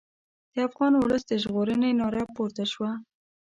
د افغان ولس د ژغورنې ناره پورته شوه.